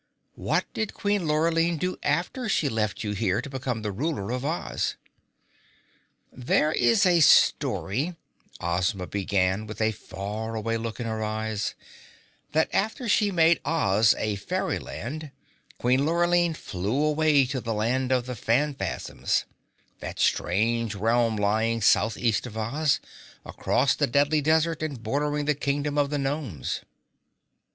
What did Queen Lurline do after she left you here to become the Ruler of Oz?" "There is a story," Ozma began with a far away look in her eyes, "that after she made Oz a fairyland, Queen Lurline flew away to the Land of the Phanfasms, that strange realm lying southeast of Oz, across the Deadly Desert and bordering the Kingdom of the Nomes."